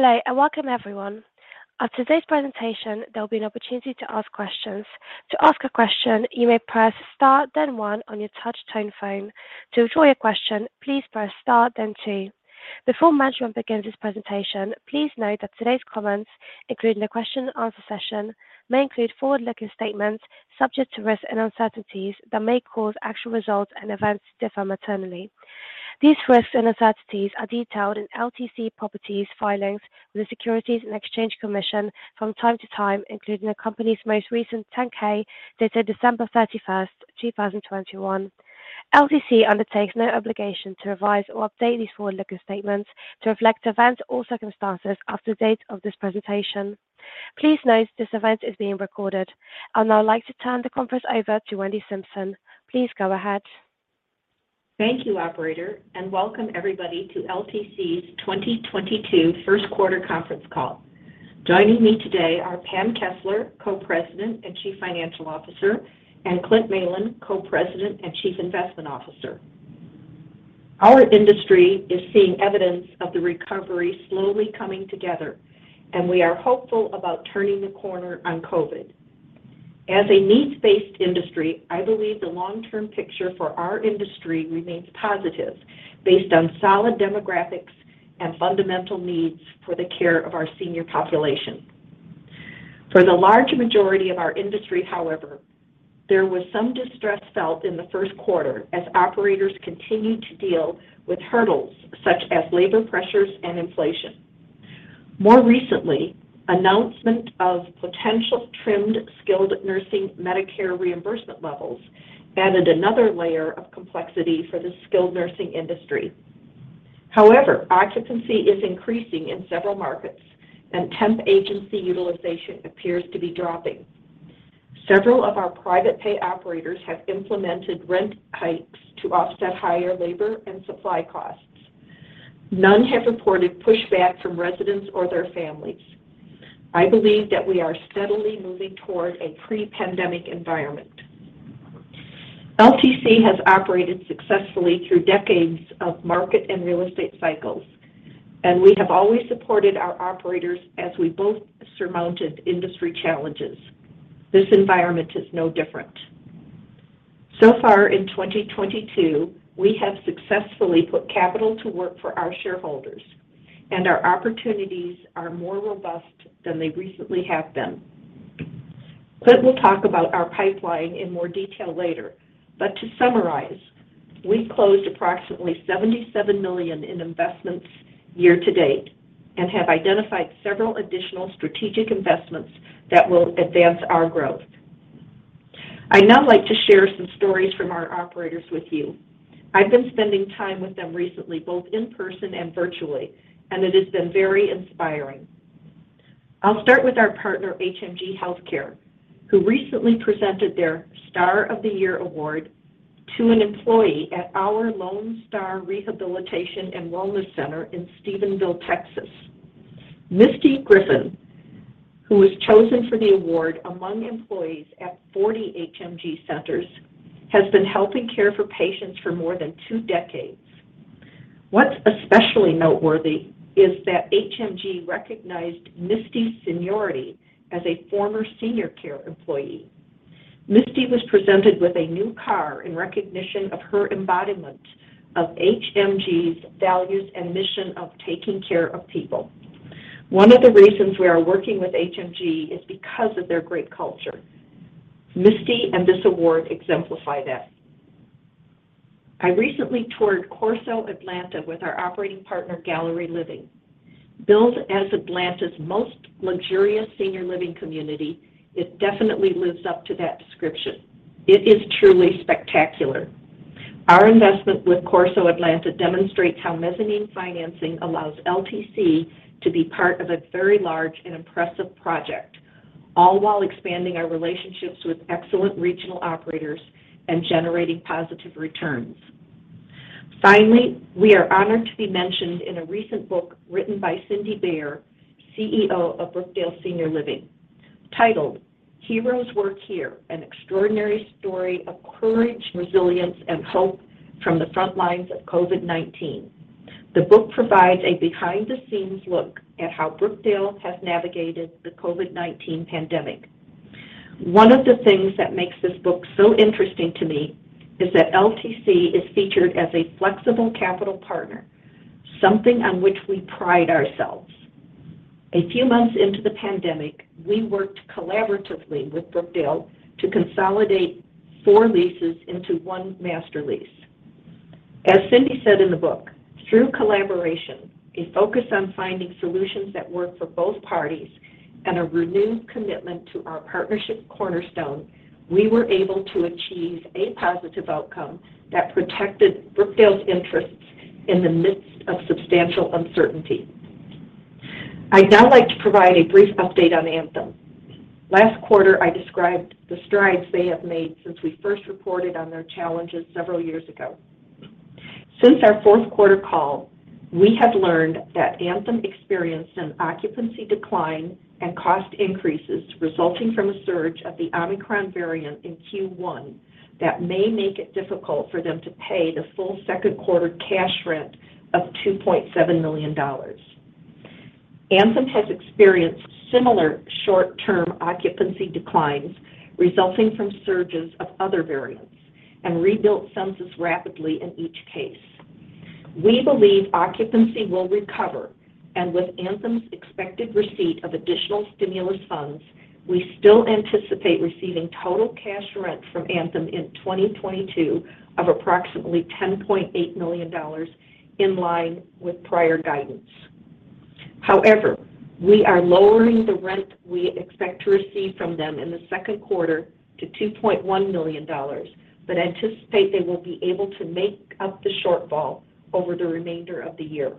Hello, and welcome everyone. After today's presentation, there'll be an opportunity to ask questions. To ask a question, you may press star then one on your touch tone phone. To withdraw your question, please press star then two. Before management begins this presentation, please note that today's comments, including the question and answer session, may include forward-looking statements subject to risks and uncertainties that may cause actual results and events to differ materially. These risks and uncertainties are detailed in LTC Properties filings with the Securities and Exchange Commission from time to time, including the company's most recent 10-K dated December 31, 2021. LTC undertakes no obligation to revise or update these forward-looking statements to reflect events or circumstances after the date of this presentation. Please note this event is being recorded. I'd now like to turn the conference over to Wendy Simpson. Please go ahead. Thank you, operator, and welcome everybody to LTC's 2022 first quarter conference call. Joining me today are Pam Kessler, Co-President and Chief Financial Officer, and Clint Malin, Co-President and Chief Investment Officer. Our industry is seeing evidence of the recovery slowly coming together, and we are hopeful about turning the corner on COVID. As a needs-based industry, I believe the long-term picture for our industry remains positive based on solid demographics and fundamental needs for the care of our senior population. For the large majority of our industry, however, there was some distress felt in the first quarter as operators continued to deal with hurdles such as labor pressures and inflation. More recently, announcement of potential trimmed skilled nursing Medicare reimbursement levels added another layer of complexity for the skilled nursing industry. However, occupancy is increasing in several markets, and temp agency utilization appears to be dropping. Several of our private pay operators have implemented rent hikes to offset higher labor and supply costs. None have reported pushback from residents or their families. I believe that we are steadily moving toward a pre-pandemic environment. LTC has operated successfully through decades of market and real estate cycles, and we have always supported our operators as we both surmounted industry challenges. This environment is no different. So far in 2022, we have successfully put capital to work for our shareholders, and our opportunities are more robust than they recently have been. Clint will talk about our pipeline in more detail later, but to summarize, we closed approximately $77 million in investments year to date and have identified several additional strategic investments that will advance our growth. I'd now like to share some stories from our operators with you. I've been spending time with them recently, both in person and virtually, and it has been very inspiring. I'll start with our partner, HMG Healthcare, who recently presented their Star of the Year award to an employee at our Lone Star Rehabilitation and Wellness Center in Stephenville, Texas. Misty Griffin, who was chosen for the award among employees at 40 HMG centers, has been helping care for patients for more than two decades. What's especially noteworthy is that HMG recognized Misty's seniority as a former senior care employee. Misty was presented with a new car in recognition of her embodiment of HMG's values and mission of taking care of people. One of the reasons we are working with HMG is because of their great culture. Misty and this award exemplify that. I recently toured Corso Atlanta with our operating partner, Galerie Living. Billed as Atlanta's most luxurious senior living community, it definitely lives up to that description. It is truly spectacular. Our investment with Corso Atlanta demonstrates how mezzanine financing allows LTC to be part of a very large and impressive project, all while expanding our relationships with excellent regional operators and generating positive returns. Finally, we are honored to be mentioned in a recent book written by Cindy Baier, CEO of Brookdale Senior Living, titled Heroes Work Here, An Extraordinary Story of Courage, Resilience, and Hope from the Front Lines of COVID-19. The book provides a behind-the-scenes look at how Brookdale has navigated the COVID-19 pandemic. One of the things that makes this book so interesting to me is that LTC is featured as a flexible capital partner, something on which we pride ourselves. A few months into the pandemic, we worked collaboratively with Brookdale to consolidate four leases into one master lease. As Cindy said in the book, "Through collaboration, a focus on finding solutions that work for both parties, and a renewed commitment to our partnership cornerstone, we were able to achieve a positive outcome that protected Brookdale's interests in the midst of substantial uncertainty." I'd now like to provide a brief update on Anthem. Last quarter, I described the strides they have made since we first reported on their challenges several years ago. Since our fourth quarter call, we have learned that Anthem experienced an occupancy decline and cost increases resulting from a surge of the Omicron variant in Q1 that may make it difficult for them to pay the full second quarter cash rent of $2.7 million. Anthem has experienced similar short-term occupancy declines resulting from surges of other variants and rebuilt census rapidly in each case. We believe occupancy will recover, and with Anthem's expected receipt of additional stimulus funds, we still anticipate receiving total cash rent from Anthem in 2022 of approximately $10.8 million in line with prior guidance. However, we are lowering the rent we expect to receive from them in the second quarter to $2.1 million, but anticipate they will be able to make up the shortfall over the remainder of the year.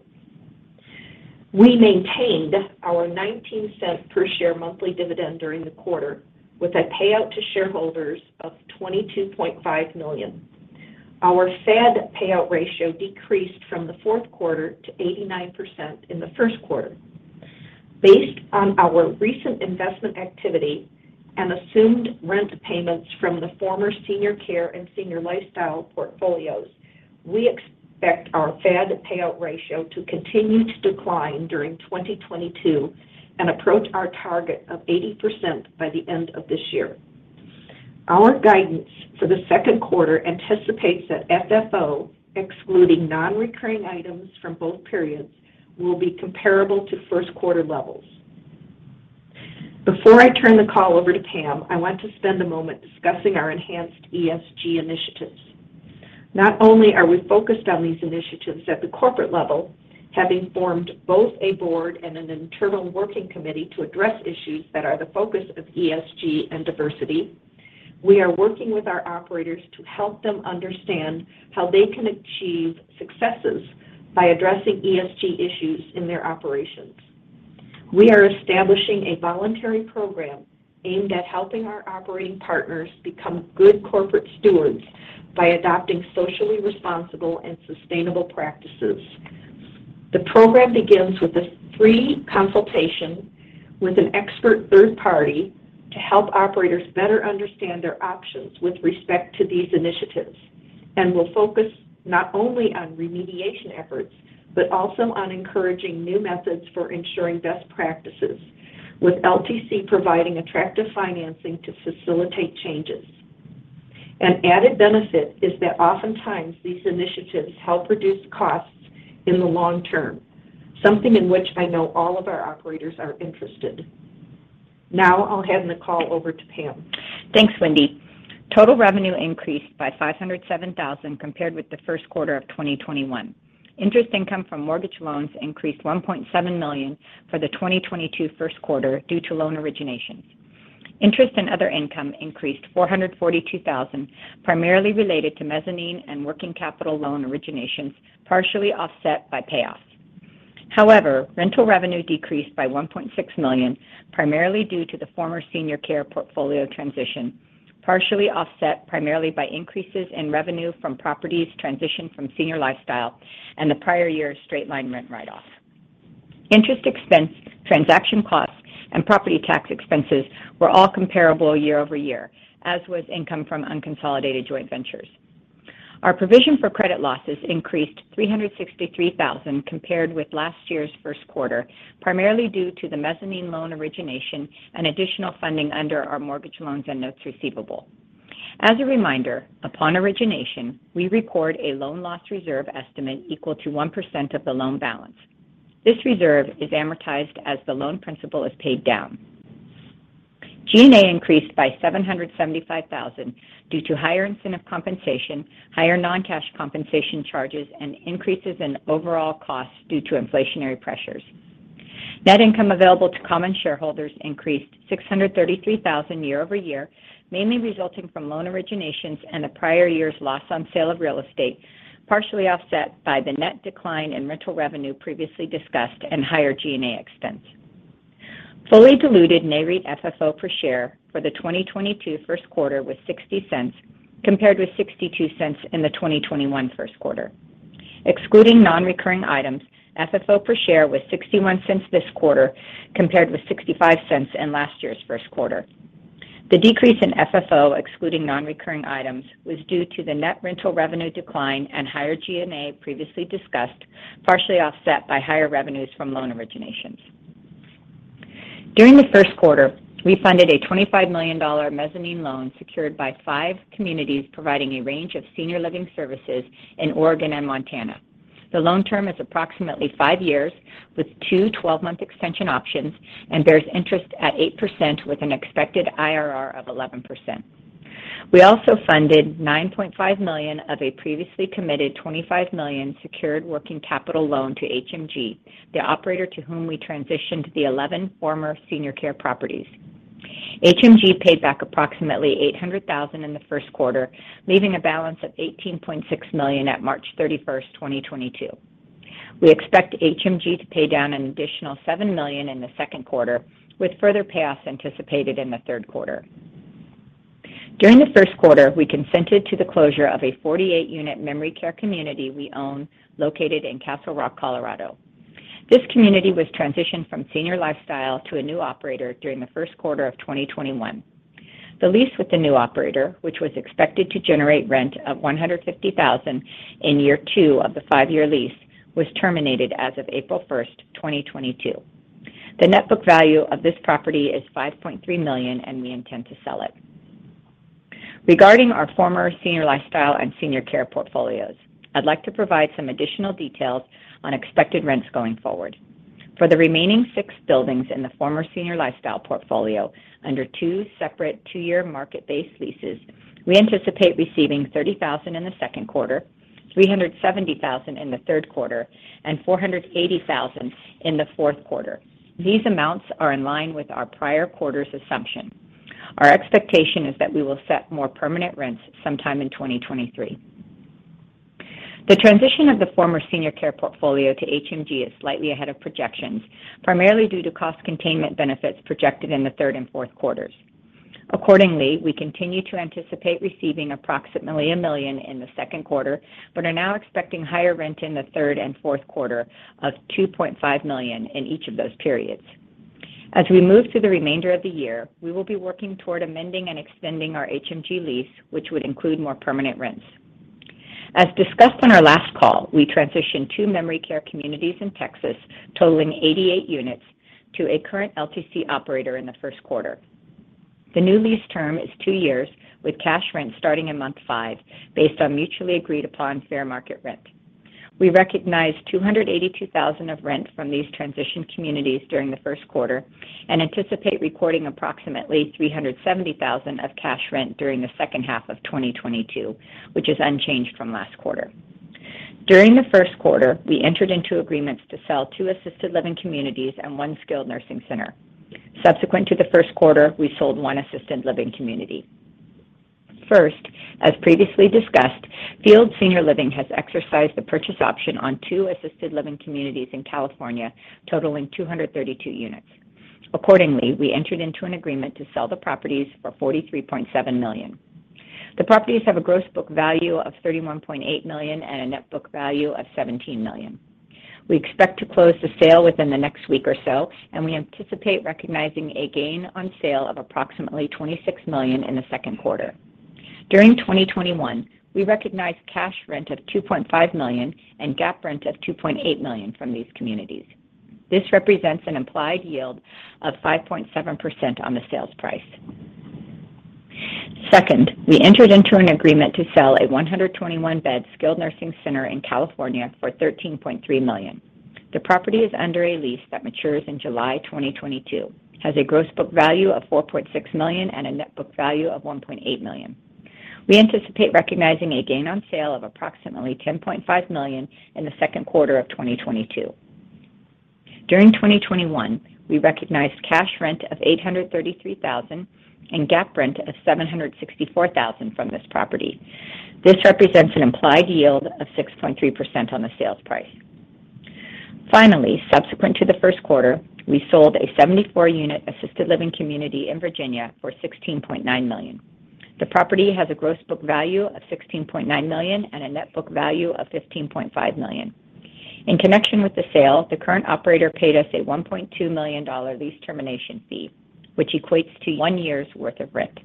We maintained our $0.19 per share monthly dividend during the quarter with a payout to shareholders of $22.5 million. Our FAD payout ratio decreased from the fourth quarter to 89% in the first quarter. Based on our recent investment activity and assumed rent payments from the former Senior Care and Senior Lifestyle portfolios, we expect our FAD payout ratio to continue to decline during 2022 and approach our target of 80% by the end of this year. Our guidance for the second quarter anticipates that FFO, excluding non-recurring items from both periods, will be comparable to first quarter levels. Before I turn the call over to Pam, I want to spend a moment discussing our enhanced ESG initiatives. Not only are we focused on these initiatives at the corporate level, having formed both a board and an internal working committee to address issues that are the focus of ESG and diversity, we are working with our operators to help them understand how they can achieve successes by addressing ESG issues in their operations. We are establishing a voluntary program aimed at helping our operating partners become good corporate stewards by adopting socially responsible and sustainable practices. The program begins with a free consultation with an expert third party to help operators better understand their options with respect to these initiatives and will focus not only on remediation efforts, but also on encouraging new methods for ensuring best practices with LTC providing attractive financing to facilitate changes. An added benefit is that oftentimes these initiatives help reduce costs in the long term, something in which I know all of our operators are interested. Now I'll hand the call over to Pam. Thanks, Wendy. Total revenue increased by $507,000 compared with the first quarter of 2021. Interest income from mortgage loans increased $1.7 million for the 2022 first quarter due to loan originations. Interest and other income increased $442,000 primarily related to mezzanine and working capital loan originations partially offset by payoffs. However, rental revenue decreased by $1.6 million primarily due to the former Senior Care portfolio transition, partially offset primarily by increases in revenue from properties transitioned from Senior Lifestyle and the prior year's straight-line rent write-off. Interest expense, transaction costs, and property tax expenses were all comparable year-over-year, as was income from unconsolidated joint ventures. Our provision for credit losses increased $363 thousand compared with last year's first quarter, primarily due to the mezzanine loan origination and additional funding under our mortgage loans and notes receivable. As a reminder, upon origination, we record a loan loss reserve estimate equal to 1% of the loan balance. This reserve is amortized as the loan principal is paid down. G&A increased by $775 thousand due to higher incentive compensation, higher non-cash compensation charges, and increases in overall costs due to inflationary pressures. Net income available to common shareholders increased $633 thousand year-over-year, mainly resulting from loan originations and the prior year's loss on sale of real estate, partially offset by the net decline in rental revenue previously discussed and higher G&A expense. Fully diluted NAREIT FFO per share for the 2022 first quarter was $0.60 compared with $0.62 in the 2021 first quarter. Excluding non-recurring items, FFO per share was $0.61 this quarter compared with $0.65 in last year's first quarter. The decrease in FFO excluding non-recurring items was due to the net rental revenue decline and higher G&A previously discussed, partially offset by higher revenues from loan originations. During the first quarter, we funded a $25 million mezzanine loan secured by five communities providing a range of senior living services in Oregon and Montana. The loan term is approximately five years with two 12-month extension options and bears interest at 8% with an expected IRR of 11%. We also funded $9.5 million of a previously committed $25 million secured working capital loan to HMG, the operator to whom we transitioned the 11 former Senior Care properties. HMG paid back approximately $800,000 in the first quarter, leaving a balance of $18.6 million at March 31st, 2022. We expect HMG to pay down an additional $7 million in the second quarter with further payoffs anticipated in the third quarter. During the first quarter, we consented to the closure of a 48-unit memory care community we own located in Castle Rock, Colorado. This community was transitioned from Senior Lifestyle to a new operator during the first quarter of 2021. The lease with the new operator, which was expected to generate rent of $150,000 in year two of the five-year lease, was terminated as of April 1st, 2022. The net book value of this property is $5.3 million, and we intend to sell it. Regarding our former Senior Lifestyle and Senior Care portfolios, I'd like to provide some additional details on expected rents going forward. For the remaining six buildings in the former Senior Lifestyle portfolio under two separate two-year market-based leases, we anticipate receiving $30,000 in the second quarter, $370,000 in the third quarter, and $480,000 in the fourth quarter. These amounts are in line with our prior quarter's assumption. Our expectation is that we will set more permanent rents sometime in 2023. The transition of the former Senior Care portfolio to HMG is slightly ahead of projections, primarily due to cost containment benefits projected in the third and fourth quarters. Accordingly, we continue to anticipate receiving approximately $1 million in the second quarter, but are now expecting higher rent in the third and fourth quarter of $2.5 million in each of those periods. As we move through the remainder of the year, we will be working toward amending and extending our HMG lease, which would include more permanent rents. As discussed on our last call, we transitioned two memory care communities in Texas totaling 88 units to a current LTC operator in the first quarter. The new lease term is two years with cash rent starting in month five based on mutually agreed upon fair market rent. We recognized 282,000 of rent from these transition communities during the first quarter and anticipate recording approximately 370,000 of cash rent during the second half of 2022, which is unchanged from last quarter. During the first quarter, we entered into agreements to sell two assisted living communities and one skilled nursing center. Subsequent to the first quarter, we sold one assisted living community. First, as previously discussed, Fields Senior Living has exercised the purchase option on two assisted living communities in California totaling 232 units. Accordingly, we entered into an agreement to sell the properties for $43.7 million. The properties have a gross book value of $31.8 million and a net book value of $17 million. We expect to close the sale within the next week or so, and we anticipate recognizing a gain on sale of approximately $26 million in the second quarter. During 2021, we recognized cash rent of $2.5 million and GAAP rent of $2.8 million from these communities. This represents an implied yield of 5.7% on the sales price. Second, we entered into an agreement to sell a 121-bed skilled nursing center in California for $13.3 million. The property is under a lease that matures in July 2022, has a gross book value of $4.6 million and a net book value of $1.8 million. We anticipate recognizing a gain on sale of approximately $10.5 million in the second quarter of 2022. During 2021, we recognized cash rent of $833,000 and GAAP rent of $764,000 from this property. This represents an implied yield of 6.3% on the sales price. Finally, subsequent to the first quarter, we sold a 74-unit assisted living community in Virginia for $16.9 million. The property has a gross book value of $16.9 million and a net book value of $15.5 million. In connection with the sale, the current operator paid us a $1.2 million lease termination fee, which equates to one year's worth of rent.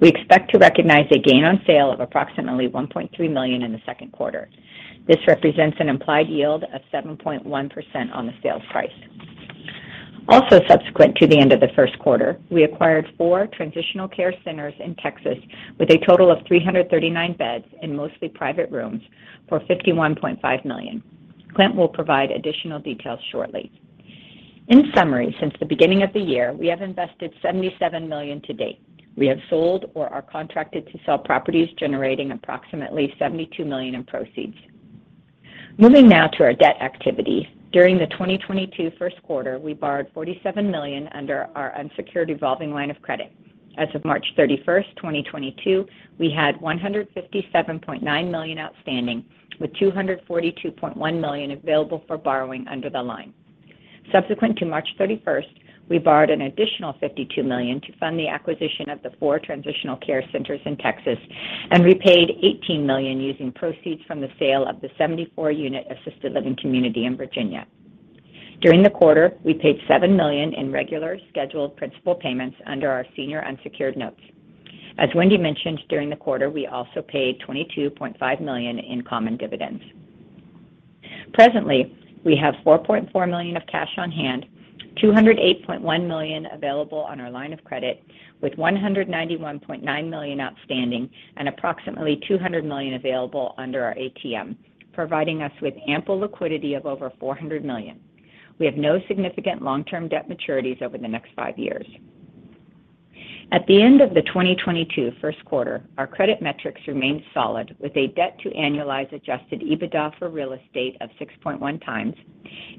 We expect to recognize a gain on sale of approximately $1.3 million in the second quarter. This represents an implied yield of 7.1% on the sales price. Also subsequent to the end of the first quarter, we acquired four transitional care centers in Texas with a total of 339 beds in mostly private rooms for $51.5 million. Clint will provide additional details shortly. In summary, since the beginning of the year, we have invested $77 million to date. We have sold or are contracted to sell properties generating approximately $72 million in proceeds. Moving now to our debt activity. During the 2022 first quarter, we borrowed $47 million under our unsecured revolving line of credit. As of March 31, 2022, we had $157.9 million outstanding with $242.1 million available for borrowing under the line. Subsequent to March 31st, we borrowed an additional $52 million to fund the acquisition of the four transitional care centers in Texas and repaid $18 million using proceeds from the sale of the 74-unit assisted living community in Virginia. During the quarter, we paid $7 million in regular scheduled principal payments under our senior unsecured notes. As Wendy mentioned, during the quarter, we also paid $22.5 million in common dividends. Presently, we have $4.4 million of cash on hand, $208.1 million available on our line of credit, with $191.9 million outstanding and approximately $200 million available under our ATM, providing us with ample liquidity of over $400 million. We have no significant long-term debt maturities over the next five years. At the end of the 2022 first quarter, our credit metrics remained solid with a debt to annualized adjusted EBITDA for real estate of 6.1x,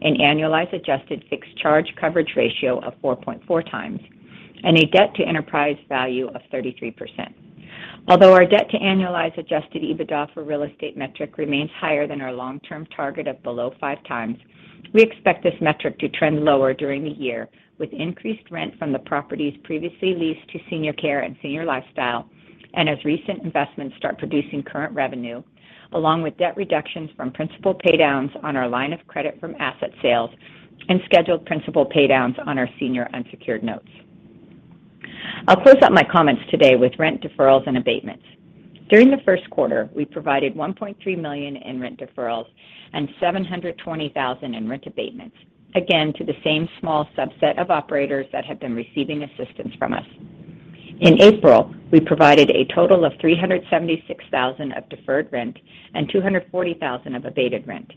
an annualized adjusted fixed charge coverage ratio of 4.4x, and a debt to enterprise value of 33%. Although our debt to annualized adjusted EBITDA for real estate metric remains higher than our long-term target of below 5x, we expect this metric to trend lower during the year with increased rent from the properties previously leased to Senior Care and Senior Lifestyle. And as recent investments start producing current revenue, along with debt reductions from principal paydowns on our line of credit from asset sales and scheduled principal paydowns on our senior unsecured notes. I'll close out my comments today with rent deferrals and abatements. During the first quarter, we provided $1.3 million in rent deferrals and $720 thousand in rent abatements, again, to the same small subset of operators that have been receiving assistance from us. In April, we provided a total of $376 thousand of deferred rent and $240 thousand of abated rent.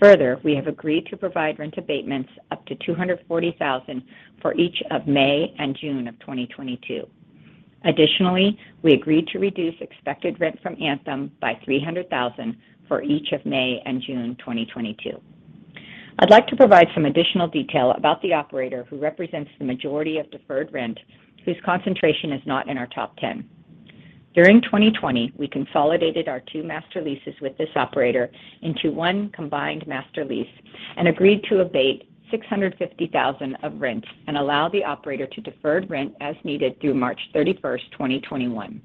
Further, we have agreed to provide rent abatements up to $240 thousand for each of May and June 2022. Additionally, we agreed to reduce expected rent from Anthem by $300 thousand for each of May and June 2022. I'd like to provide some additional detail about the operator who represents the majority of deferred rent, whose concentration is not in our top ten. During 2020, we consolidated our two master leases with this operator into one combined master lease and agreed to abate $650,000 of rent and allow the operator to defer rent as needed through March 31, 2021.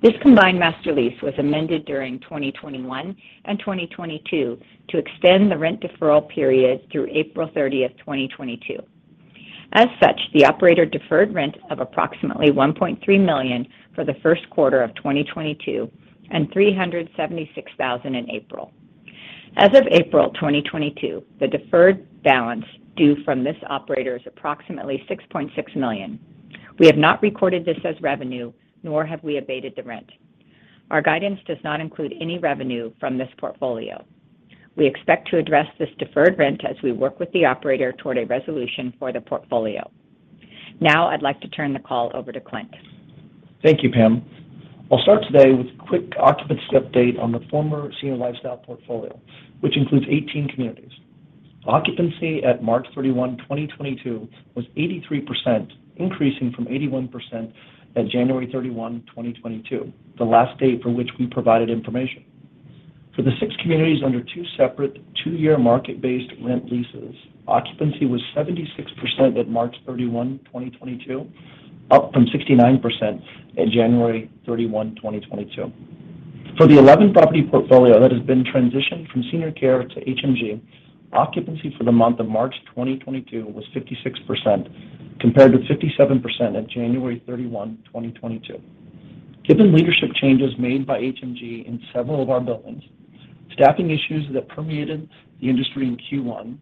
This combined master lease was amended during 2021 and 2022 to extend the rent deferral period through April 30, 2022. As such, the operator deferred rent of approximately $1.3 million for the first quarter of 2022 and $376,000 in April. As of April 2022, the deferred balance due from this operator is approximately $6.6 million. We have not recorded this as revenue, nor have we abated the rent. Our guidance does not include any revenue from this portfolio. We expect to address this deferred rent as we work with the operator toward a resolution for the portfolio. Now I'd like to turn the call over to Clint. Thank you, Pam. I'll start today with a quick occupancy update on the former Senior Lifestyle portfolio, which includes 18 communities. Occupancy at March 31, 2022 was 83%, increasing from 81% at January 31, 2022, the last date for which we provided information. For the six communities under two separate two-year market-based rent leases, occupancy was 76% at March 31, 2022, up from 69% at January 31, 2022. For the 11-property portfolio that has been transitioned from Senior Care to HMG, occupancy for the month of March 2022 was 56%, compared to 57% at January 31, 2022. Given leadership changes made by HMG in several of our buildings, staffing issues that permeated the industry in Q1,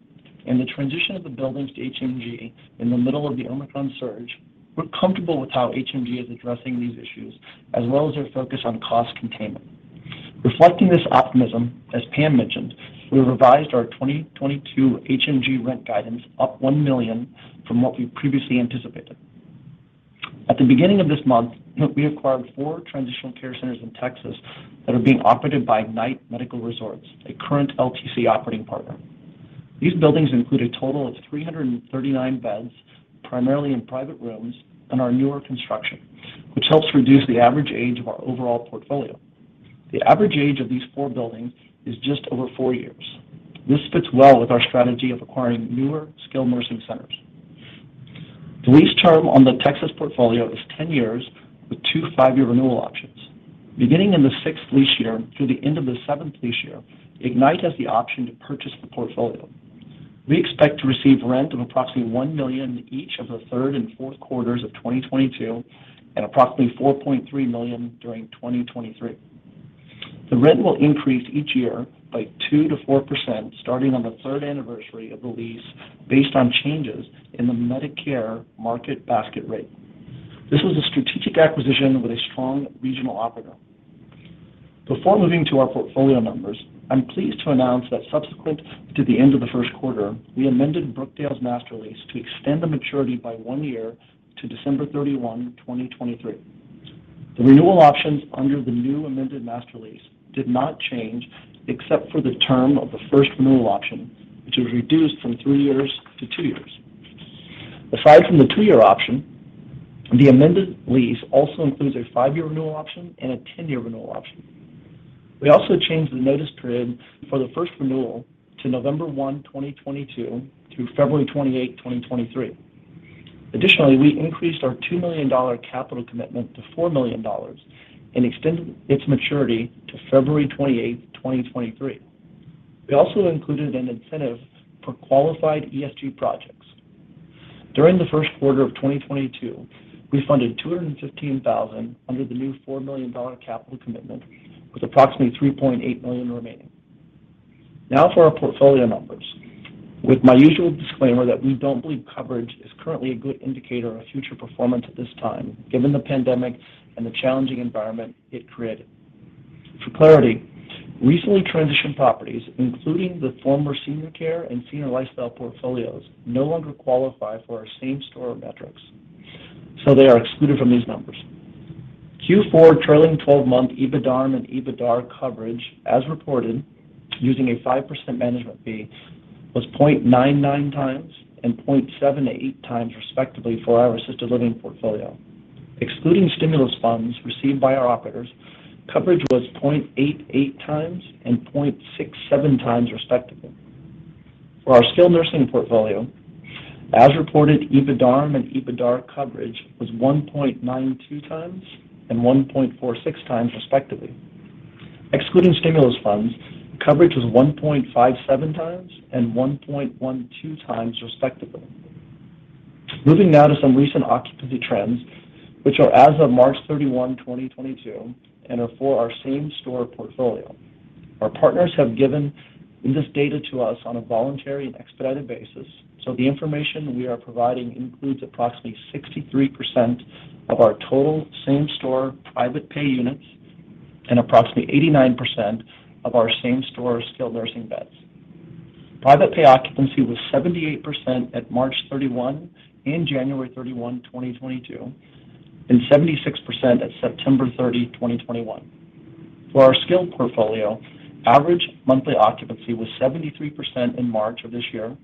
and the transition of the buildings to HMG in the middle of the Omicron surge, we're comfortable with how HMG is addressing these issues, as well as their focus on cost containment. Reflecting this optimism, as Pam mentioned, we revised our 2022 HMG rent guidance up $1 million from what we previously anticipated. At the beginning of this month, we acquired four transitional care centers in Texas that are being operated by Ignite Medical Resorts, a current LTC operating partner. These buildings include a total of 339 beds, primarily in private rooms, and are newer construction, which helps reduce the average age of our overall portfolio. The average age of these four buildings is just over four years. This fits well with our strategy of acquiring newer skilled nursing centers. The lease term on the Texas portfolio is 10 years with two five-year renewal options. Beginning in the sixth lease year through the end of the seventh lease year, Ignite has the option to purchase the portfolio. We expect to receive rent of approximately $1 million each of the third and fourth quarters of 2022 and approximately $4.3 million during 2023. The rent will increase each year by 2%-4% starting on the third anniversary of the lease based on changes in the Medicare Market Basket Rate. This was a strategic acquisition with a strong regional operator. Before moving to our portfolio numbers, I'm pleased to announce that subsequent to the end of the first quarter, we amended Brookdale's master lease to extend the maturity by one year to December 31, 2023. The renewal options under the new amended master lease did not change except for the term of the first renewal option, which was reduced from three years to two years. Aside from the two-year option, the amended lease also includes a five-year renewal option and a 10-year renewal option. We also changed the notice period for the first renewal to November 1, 2022 through February 28, 2023. Additionally, we increased our $2 million capital commitment to $4 million and extended its maturity to February 28, 2023. We also included an incentive for qualified ESG projects. During the first quarter of 2022, we funded $215,000 under the new $4 million capital commitment, with approximately $3.8 million remaining. Now for our portfolio numbers. With my usual disclaimer that we don't believe coverage is currently a good indicator of future performance at this time, given the pandemic and the challenging environment it created. For clarity, recently transitioned properties, including the former Senior Care and Senior Lifestyle portfolios, no longer qualify for our same-store metrics, so they are excluded from these numbers. Q4 trailing 12-month EBITDA and EBITDA coverage, as reported using a 5% management fee, was 0.99x and 0.78x, respectively, for our assisted living portfolio. Excluding stimulus funds received by our operators, coverage was 0.88x and 0.67x, respectively. For our skilled nursing portfolio, as reported, EBITDA and EBITDA coverage was 1.92x and 1.46x respectively. Excluding stimulus funds, coverage was 1.57x and 1.12x respectively. Moving now to some recent occupancy trends, which are as of March 31, 2022, and are for our same store portfolio. Our partners have given this data to us on a voluntary and expedited basis, so the information we are providing includes approximately 63% of our total same store private pay units and approximately 89% of our same store skilled nursing beds. Private pay occupancy was 78% at March 31 and January 31, 2022, and 76% at September 30, 2021. For our skilled portfolio, average monthly occupancy was 73% in March of this year,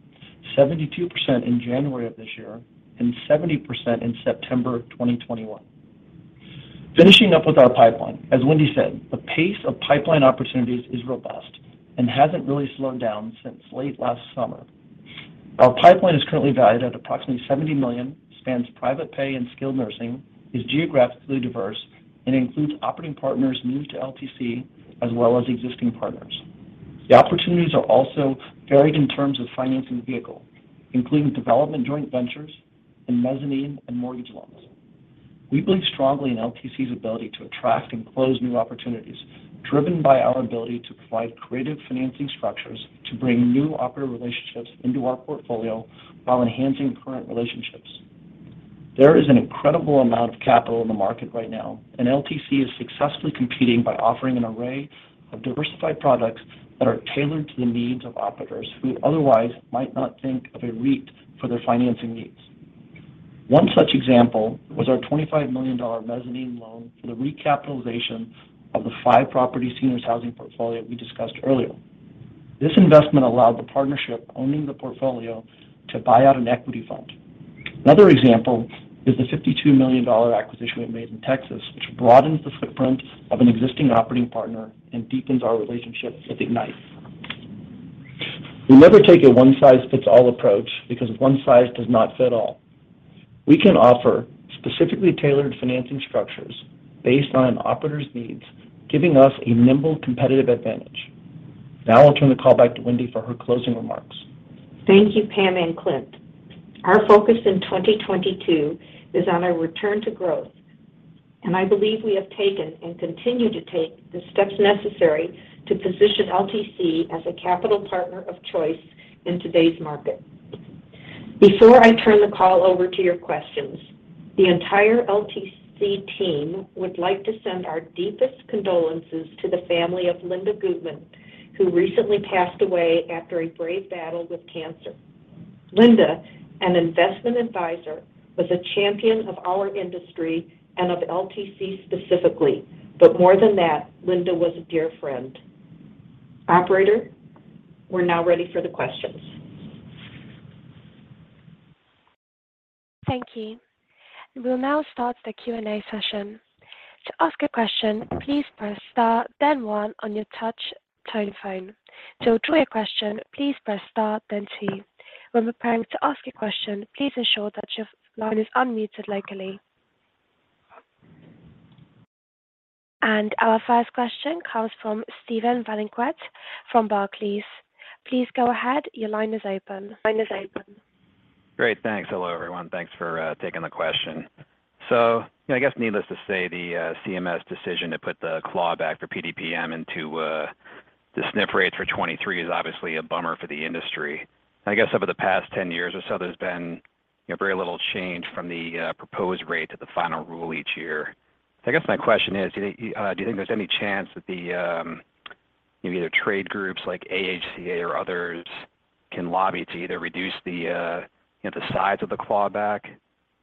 72% in January of this year, and 70% in September of 2021. Finishing up with our pipeline. As Wendy said, the pace of pipeline opportunities is robust and hasn't really slowed down since late last summer. Our pipeline is currently valued at approximately $70 million, spans private pay and skilled nursing, is geographically diverse, and includes operating partners new to LTC as well as existing partners. The opportunities are also varied in terms of financing vehicle, including development joint ventures and mezzanine and mortgage loans. We believe strongly in LTC's ability to attract and close new opportunities driven by our ability to provide creative financing structures to bring new operator relationships into our portfolio while enhancing current relationships. There is an incredible amount of capital in the market right now, and LTC is successfully competing by offering an array of diversified products that are tailored to the needs of operators who otherwise might not think of a REIT for their financing needs. One such example was our $25 million mezzanine loan for the recapitalization of the five-property seniors housing portfolio we discussed earlier. This investment allowed the partnership owning the portfolio to buy out an equity fund. Another example is the $52 million acquisition we made in Texas, which broadens the footprint of an existing operating partner and deepens our relationship with Ignite. We never take a one-size-fits-all approach because one size does not fit all. We can offer specifically tailored financing structures based on an operator's needs, giving us a nimble competitive advantage. Now I'll turn the call back to Wendy for her closing remarks. Thank you, Pam and Clint. Our focus in 2022 is on our return to growth, and I believe we have taken and continue to take the steps necessary to position LTC as a capital partner of choice in today's market. Before I turn the call over to your questions, the entire LTC team would like to send our deepest condolences to the family of Linda Gutman, who recently passed away after a brave battle with cancer. Linda, an investment advisor, was a champion of our industry and of LTC specifically. More than that, Linda was a dear friend. Operator, we're now ready for the questions. Thank you. We'll now start the Q&A session. To ask a question, please press star then one on your touch tone phone. To withdraw your question, please press star then two. When preparing to ask a question, please ensure that your line is unmuted locally. Our first question comes from Steven Valiquette from Barclays. Please go ahead. Your line is open. Line is open. Great. Thanks. Hello, everyone. Thanks for taking the question. I guess needless to say, the CMS decision to put the claw back for PDPM into the SNF rates for 2023 is obviously a bummer for the industry. I guess over the past 10 years or so, there's been, you know, very little change from the proposed rate to the final rule each year. I guess my question is, do you think there's any chance that the maybe the trade groups like AHCA or others can lobby to either reduce, you know, the size of the claw back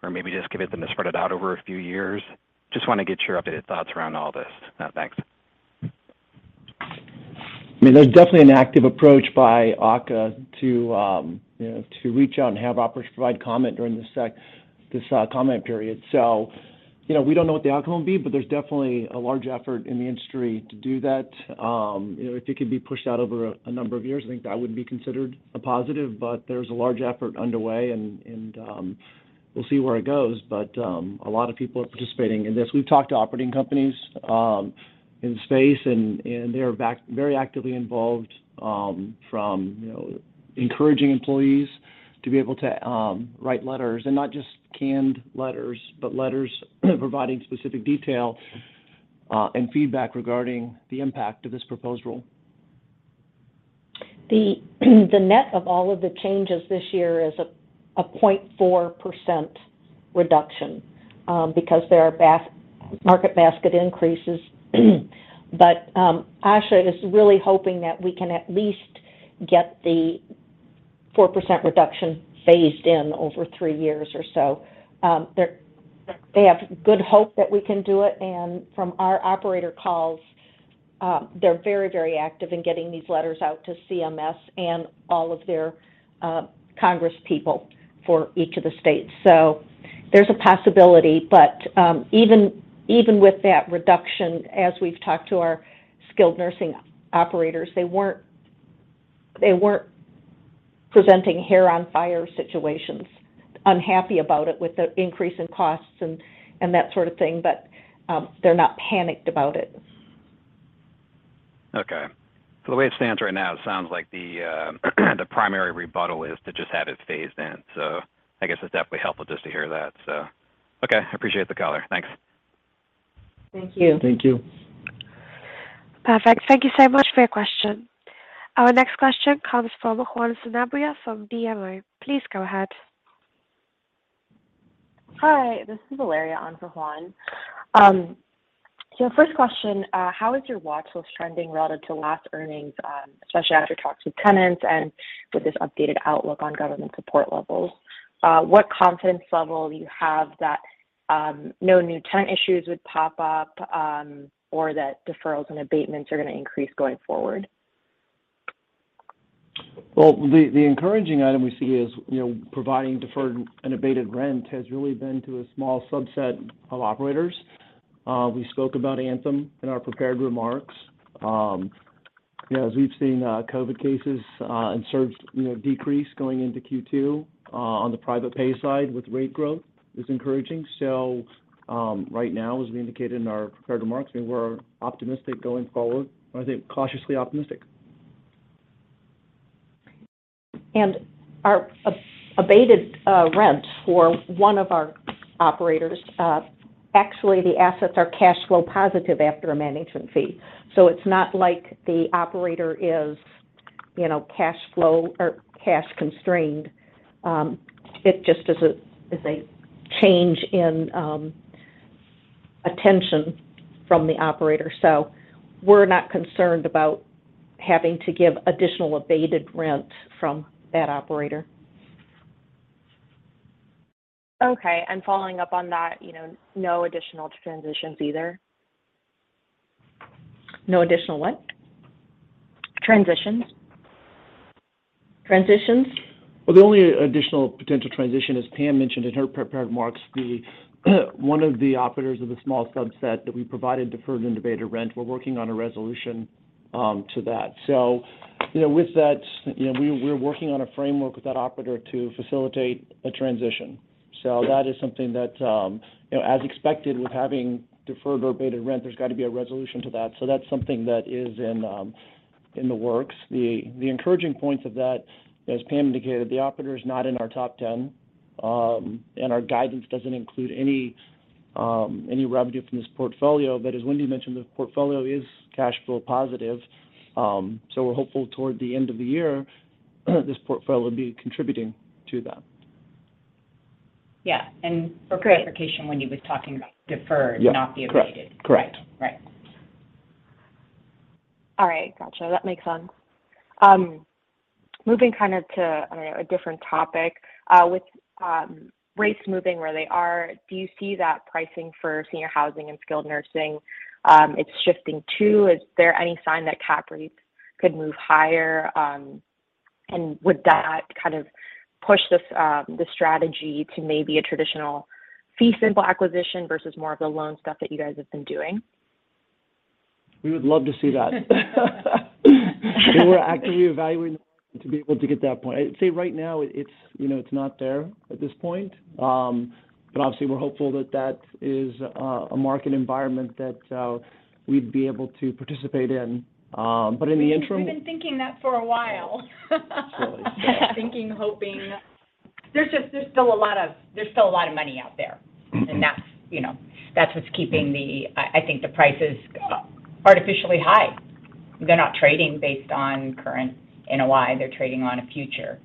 or maybe just commit them to spread it out over a few years? Just wanna get your updated thoughts around all this. Thanks. I mean, there's definitely an active approach by AHCA to reach out and have operators provide comment during this comment period. We don't know what the outcome will be, but there's definitely a large effort in the industry to do that. If it could be pushed out over a number of years, I think that would be considered a positive. There's a large effort underway and we'll see where it goes. A lot of people are participating in this. We've talked to operating companies in the space, and they are very actively involved from encouraging employees to be able to write letters, and not just canned letters, but letters providing specific detail and feedback regarding the impact of this proposed rule. The net of all of the changes this year is a 0.4% reduction, because there are market basket increases. AHCA is really hoping that we can at least get the 4% reduction phased in over three years or so. They have good hope that we can do it, and from our operator calls, they're very, very active in getting these letters out to CMS and all of their congress people for each of the states. There's a possibility, but even with that reduction, as we've talked to our skilled nursing operators, they weren't presenting hair on fire situations. Unhappy about it with the increase in costs and that sort of thing, but they're not panicked about it. Okay. The way it stands right now, it sounds like the primary rebuttal is to just have it phased in. I guess it's definitely helpful just to hear that. Okay, appreciate the color. Thanks. Thank you. Thank you. Perfect. Thank you so much for your question. Our next question comes from Juan Sanabria from BMO. Please go ahead. Hi, this is Valeria on for Juan Sanabria. So first question, how is your watch list trending relative to last earnings, especially after talks with tenants and with this updated outlook on government support levels? What confidence level do you have that no new tenant issues would pop up, or that deferrals and abatements are gonna increase going forward? Well, the encouraging item we see is, you know, providing deferred and abated rent has really been to a small subset of operators. We spoke about Anthem in our prepared remarks. You know, as we've seen, COVID cases and surge, you know, decrease going into Q2, on the private pay side with rate growth is encouraging. Right now, as we indicated in our prepared remarks, we're optimistic going forward. I think cautiously optimistic. Our abated rent for one of our operators, actually, the assets are cash flow positive after a management fee. It's not like the operator is, you know, cash flow or cash constrained. It just is a change in attention from the operator. We're not concerned about having to give additional abated rent from that operator. Okay. Following up on that, you know, no additional transitions either? No additional what? Transitions. Transitions? Well, the only additional potential transition, as Pam mentioned in her prepared remarks, one of the operators of the small subset that we provided deferred and abated rent, we're working on a resolution to that. You know, with that, you know, we're working on a framework with that operator to facilitate a transition. That is something that, you know, as expected with having deferred or abated rent, there's got to be a resolution to that. That's something that is in the works. The encouraging points of that, as Pam indicated, the operator is not in our top ten, and our guidance doesn't include any revenue from this portfolio. As Wendy mentioned, the portfolio is cash flow positive. We're hopeful toward the end of the year, this portfolio will be contributing to that. Yeah. For clarification, Wendy was talking about deferred- Yeah. Not the abated. Correct. Correct. Right. All right. Gotcha. That makes sense. Moving kind of to, I don't know, a different topic, with rates moving where they are, do you see that pricing for senior housing and skilled nursing, it's shifting too? Is there any sign that cap rates could move higher? Would that kind of push this, the strategy to maybe a traditional fee simple acquisition versus more of the loan stuff that you guys have been doing? We would love to see that. We're actively evaluating to be able to get that point. I'd say right now it's, you know, it's not there at this point. Obviously we're hopeful that that is a market environment that we'd be able to participate in. In the interim. We've been thinking that for a while. Absolutely. Thinking, hoping. There's still a lot of money out there. Mm-hmm. That's, you know, that's what's keeping the prices artificially high, I think. They're not trading based on current NOI. They're trading on a future.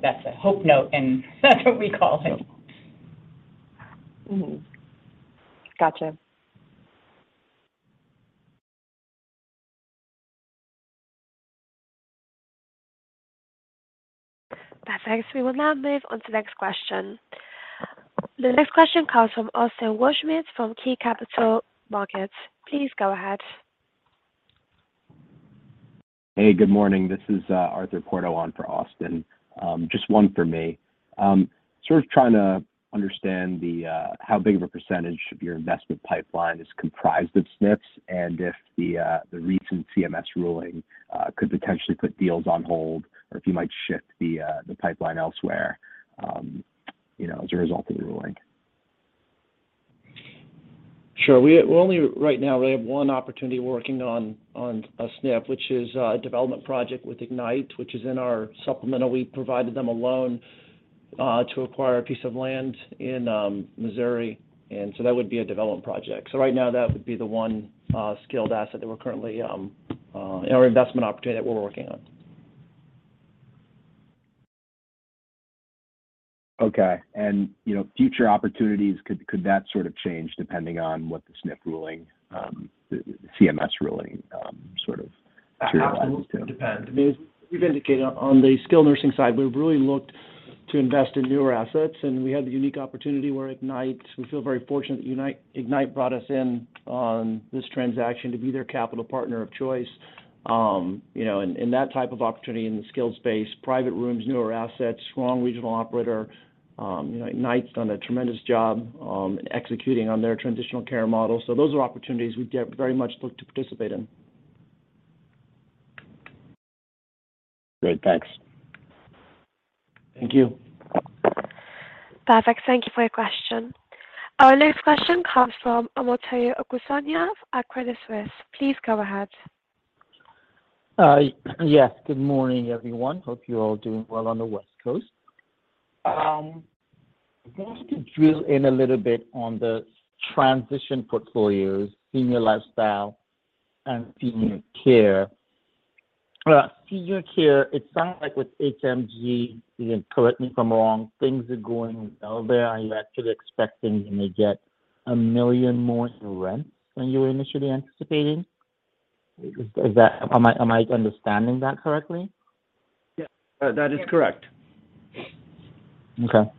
That's a hope note, and that's what we call it. Mm-hmm. Gotcha. Perfect. We will now move on to the next question. The next question comes from Austin Wurschmidt from KeyBanc Capital Markets. Please go ahead. Hey, good morning. This is Arthur Porto on for Austin. Just one for me. Sort of trying to understand how big of a percentage of your investment pipeline is comprised of SNFs, and if the recent CMS ruling could potentially put deals on hold or if you might shift the pipeline elsewhere, you know, as a result of the ruling. Sure. We only right now have one opportunity we're working on a SNF, which is a development project with Ignite, which is in our supplemental. We provided them a loan to acquire a piece of land in Missouri, and so that would be a development project. Right now that would be the one skilled asset that we're currently or investment opportunity that we're working on. Okay. You know, future opportunities, could that sort of change depending on what the SNF ruling, the CMS ruling, sort of materializes to? Absolutely depend. We've indicated on the skilled nursing side, we've really looked to invest in newer assets. We had the unique opportunity where Ignite, we feel very fortunate that Ignite brought us in on this transaction to be their capital partner of choice, you know, and that type of opportunity in the skilled space, private rooms, newer assets, strong regional operator. You know, Ignite's done a tremendous job in executing on their transitional care model. Those are opportunities we very much look to participate in. Great. Thanks. Thank you. Perfect. Thank you for your question. Our next question comes from Omotayo Okusanya of Credit Suisse. Please go ahead. Yes. Good morning, everyone. Hope you're all doing well on the West Coast. I'd like to drill in a little bit on the transition portfolios, Senior Lifestyle, and Senior Care. Senior Care, it sounds like with HMG, you can correct me if I'm wrong, things are going well there. Are you actually expecting you may get $1 million more in rent than you were initially anticipating? Is that? Am I understanding that correctly? Yeah. That is correct. Okay.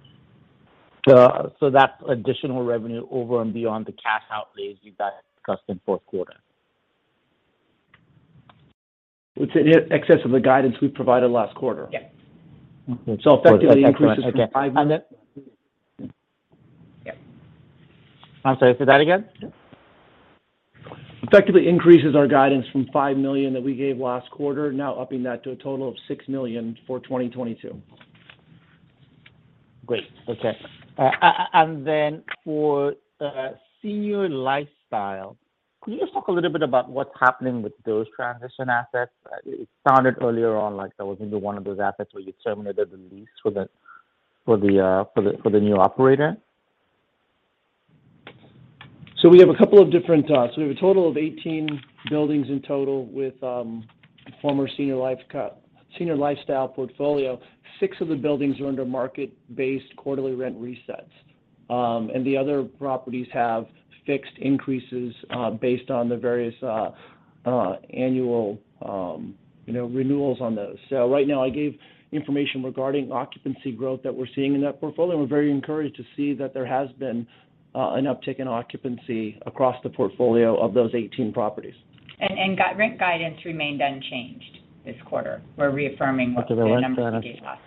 That's additional revenue over and beyond the cash outlays you guys discussed in fourth quarter? It's in excess of the guidance we provided last quarter. Yeah. Effectively increases from five. Okay. Yeah. I'm sorry. Say that again. Effectively increases our guidance from $5 million that we gave last quarter, now upping that to a total of $6 million for 2022. Great. Okay. For Senior Lifestyle, can you just talk a little bit about what's happening with those transition assets? It sounded earlier on like that was maybe one of those assets where you terminated the lease for the new operator. We have a total of 18 buildings in total with former Senior Lifestyle portfolio. Six of the buildings are under market-based quarterly rent resets. The other properties have fixed increases based on the various annual you know renewals on those. Right now, I gave information regarding occupancy growth that we're seeing in that portfolio. We're very encouraged to see that there has been an uptick in occupancy across the portfolio of those 18 properties. Current guidance remained unchanged this quarter. We're reaffirming what the numbers gave us.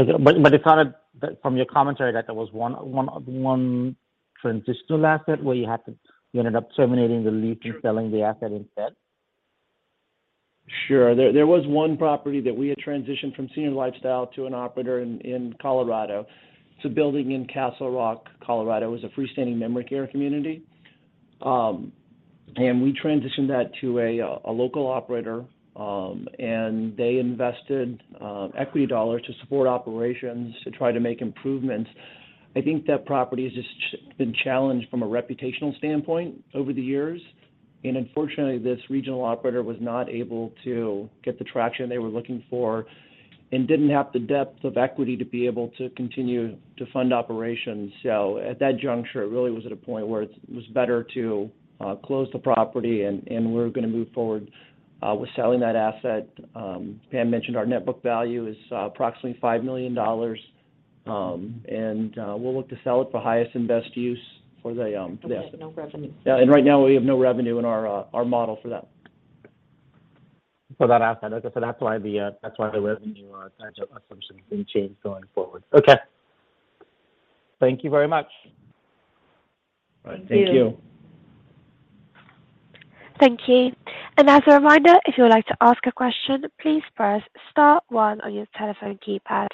Okay. It sounded that from your commentary that there was one transitional asset where you had to. You ended up terminating the lease and selling the asset instead. Sure. There was one property that we had transitioned from Senior Lifestyle to an operator in Colorado. It's a building in Castle Rock, Colorado. It was a freestanding memory care community. We transitioned that to a local operator, and they invested equity dollars to support operations to try to make improvements. I think that property has just been challenged from a reputational standpoint over the years. Unfortunately, this regional operator was not able to get the traction they were looking for and didn't have the depth of equity to be able to continue to fund operations. At that juncture, it really was at a point where it was better to close the property, and we're gonna move forward with selling that asset. Pam mentioned our net book value is approximately $5 million. We'll look to sell it for highest and best use for the asset. We have no revenue. Yeah, right now we have no revenue in our model for that. For that asset. Okay. That's why the revenue type of assumption didn't change going forward. Okay. Thank you very much. Thank you. Thank you. As a reminder, if you would like to ask a question, please press star one on your telephone keypad.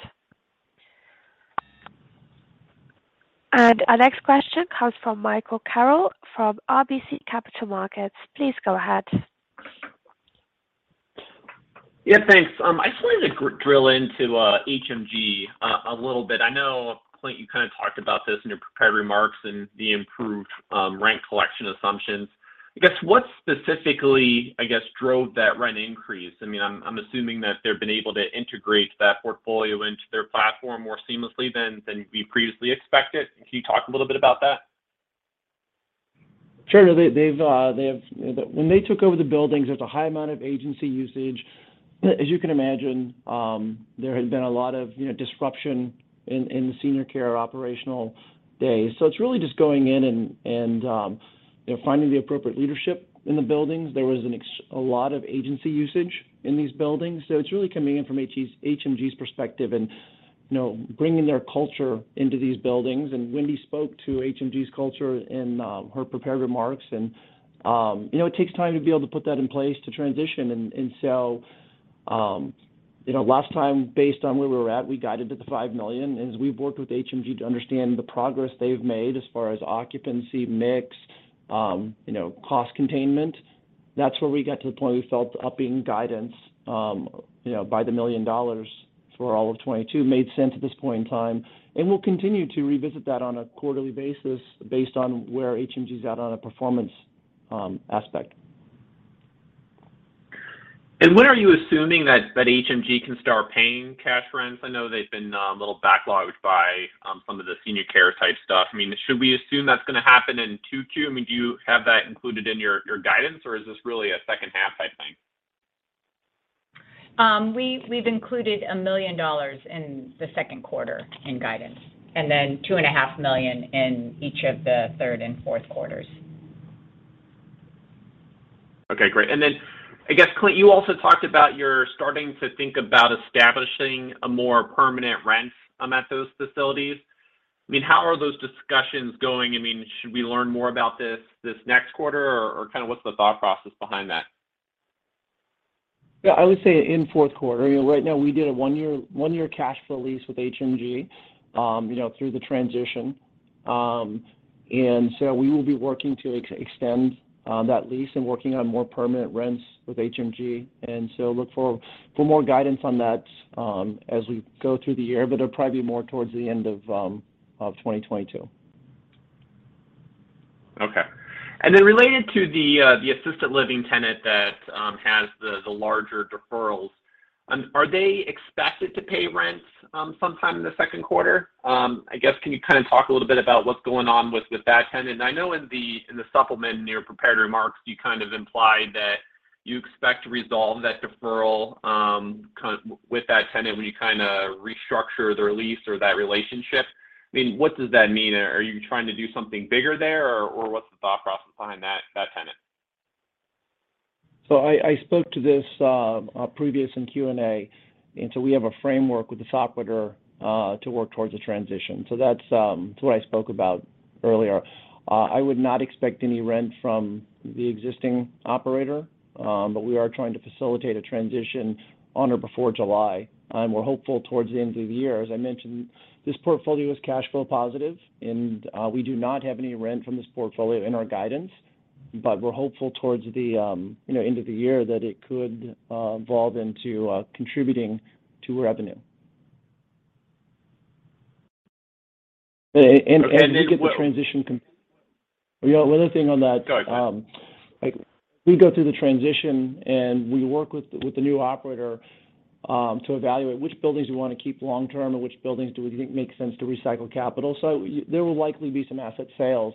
Our next question comes from Michael Carroll from RBC Capital Markets. Please go ahead. Yeah. Thanks. I just wanted to drill into HMG a little bit. I know, Clint, you kind of talked about this in your prepared remarks and the improved rent collection assumptions. I guess what specifically, I guess, drove that rent increase? I mean, I'm assuming that they've been able to integrate that portfolio into their platform more seamlessly than we previously expected. Can you talk a little bit about that? Sure. They have. When they took over the buildings, there's a high amount of agency usage. As you can imagine, there had been a lot of, you know, disruption in the Senior Care operational days. It's really just going in and, you know, finding the appropriate leadership in the buildings. There was a lot of agency usage in these buildings. It's really coming in from HMG's perspective and, you know, bringing their culture into these buildings. Wendy spoke to HMG's culture in her prepared remarks and, you know, it takes time to be able to put that in place to transition. Last time, based on where we were at, we guided to the $5 million. As we've worked with HMG to understand the progress they've made as far as occupancy mix, you know, cost containment, that's where we got to the point we felt upping guidance by $1 million for all of 2022 made sense at this point in time. We'll continue to revisit that on a quarterly basis based on where HMG is at on a performance aspect. When are you assuming that HMG can start paying cash rents? I know they've been a little backlogged by some of the Senior Care type stuff. I mean, should we assume that's gonna happen in 2Q? I mean, do you have that included in your guidance, or is this really a second half type thing? We've included $1 million in the second quarter in guidance, and then $2.5 million in each of the third and fourth quarters. Okay, great. Then I guess, Clint, you also talked about you're starting to think about establishing a more permanent rent at those facilities. I mean, how are those discussions going? I mean, should we learn more about this next quarter or kind of what's the thought process behind that? Yeah, I would say in fourth quarter. You know, right now we did a one-year cash flow lease with HMG through the transition. We will be working to extend that lease and working on more permanent rents with HMG. Look for more guidance on that as we go through the year. It'll probably be more towards the end of 2022. Okay. Related to the assisted living tenant that has the larger deferrals, are they expected to pay rent sometime in the second quarter? I guess, can you kind of talk a little bit about what's going on with that tenant? I know in the supplement, in your prepared remarks, you kind of implied that you expect to resolve that deferral with that tenant when you kinda restructure the lease or that relationship. I mean, what does that mean? Are you trying to do something bigger there or what's the thought process behind that tenant? I spoke to this previously in Q&A, and we have a framework with this operator to work towards a transition. That's what I spoke about earlier. I would not expect any rent from the existing operator, but we are trying to facilitate a transition on or before July, and we're hopeful towards the end of the year. As I mentioned, this portfolio is cash flow positive and we do not have any rent from this portfolio in our guidance. We're hopeful towards the, you know, end of the year that it could evolve into contributing to revenue. And, and then- You know, one other thing on that. Go ahead. Like we go through the transition and we work with the new operator to evaluate which buildings we wanna keep long term and which buildings do we think makes sense to recycle capital. There will likely be some asset sales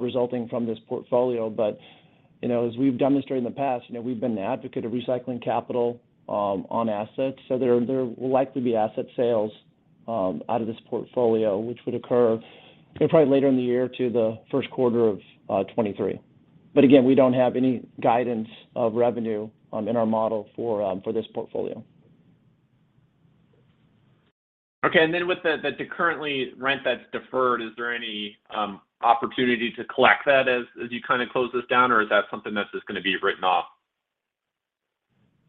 resulting from this portfolio. You know, as we've demonstrated in the past, you know, we've been an advocate of recycling capital on assets. There will likely be asset sales out of this portfolio, which would occur, you know, probably later in the year to the first quarter of 2023. Again, we don't have any guidance of revenue in our model for this portfolio. Okay. With the currently rent that's deferred, is there any opportunity to collect that as you kind of close this down or is that something that's just gonna be written off?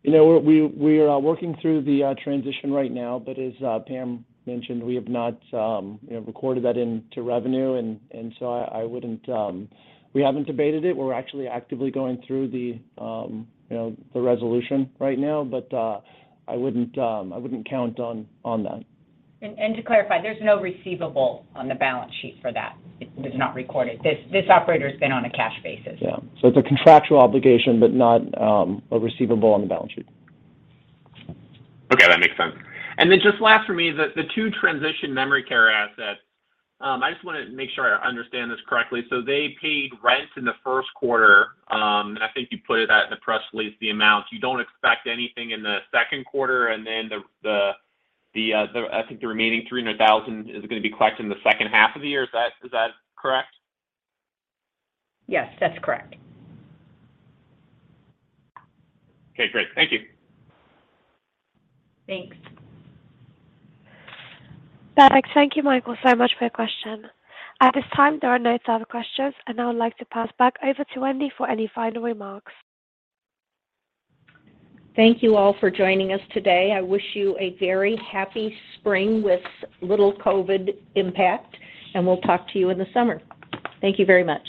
You know, we are working through the transition right now, but as Pam mentioned, we have not, you know, recorded that into revenue and so I wouldn't. We haven't debated it. We're actually actively going through the, you know, the resolution right now, but I wouldn't count on that. To clarify, there's no receivable on the balance sheet for that. It is not recorded. This operator's been on a cash basis. Yeah. It's a contractual obligation but not a receivable on the balance sheet. Okay, that makes sense. Just last for me, the two transition memory care assets, I just wanna make sure I understand this correctly. They paid rent in the first quarter, and I think you put it out in the press release the amount. You don't expect anything in the second quarter, and then the remaining $300,000 is gonna be collected in the second half of the year. Is that correct? Yes, that's correct. Okay, great. Thank you. Thanks. Perfect. Thank you, Michael, so much for your question. At this time, there are no other questions and I would like to pass back over to Wendy for any final remarks. Thank you all for joining us today. I wish you a very happy spring with little COVID impact and we'll talk to you in the summer. Thank you very much.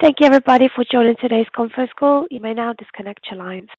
Thank you everybody for joining today's conference call. You may now disconnect your lines.